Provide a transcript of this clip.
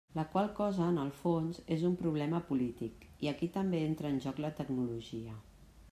La qual cosa, en el fons, és un problema polític, i aquí també entra en joc la tecnologia.